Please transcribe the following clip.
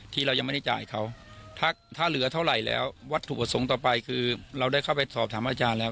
ที่เรายังไม่ได้จ่ายเขาถ้าเหลือเท่าไหร่แล้ววัตถุประสงค์ต่อไปคือเราได้เข้าไปสอบถามอาจารย์แล้ว